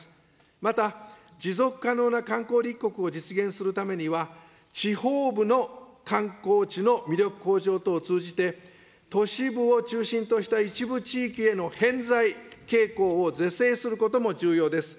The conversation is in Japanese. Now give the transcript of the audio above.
また持続可能な観光立国を実現するためには、地方部の観光地の魅力向上等を通じて、都市部を中心とした一部地域への偏在傾向を是正することも重要です。